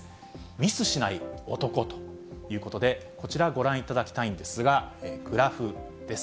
ミスしない男ということで、こちら、ご覧いただきたいんですが、グラフです。